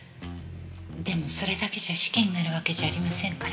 でもそれだけじゃ死刑になるわけじゃありませんから。